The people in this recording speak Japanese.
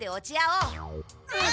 うん。